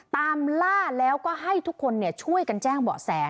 ตามล่าแล้วก็ให้ทุกคนช่วยกันแจ้งเบาะแส